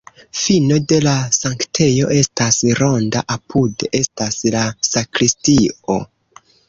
Fino de la sanktejo estas ronda, apude estas la sakristio.